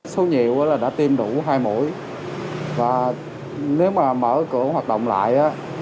số nhiều đã tiêm đủ hai mũi và nếu mà mở cửa hoạt động lại